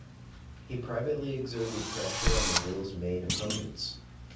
He privately exerted pressure on the bill's main opponents.